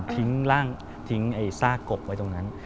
ทิ้งร่างทิ้งซากกบไว้ตรงนั้น